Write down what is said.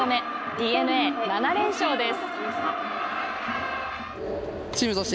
ＤｅＮＡ、７連勝です。